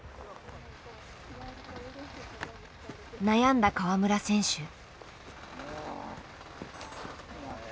悩んだ川村選手。